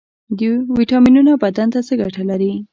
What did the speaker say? ویټامینونه بدن ته څه ګټه لري؟